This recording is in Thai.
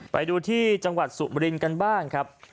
ไปดูที่จังหวัดสุมรินกันบ้างครับ